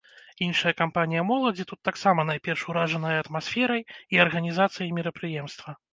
Іншая кампанія моладзі тут таксама найперш уражаная атмасферай і арганізацыяй мерапрыемства.